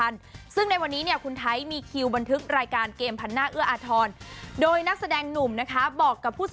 เธอบอกแบบนี้นะคะ